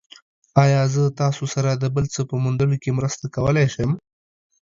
ایا زه تاسو سره د بل څه په موندلو کې مرسته کولی شم؟